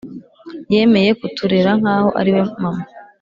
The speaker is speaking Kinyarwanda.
Yemeye kuturera nkaho ariwe mama